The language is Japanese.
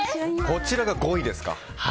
こちらが５位ですか。